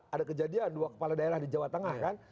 ada kejadian dua kepala daerah di jawa tengah kan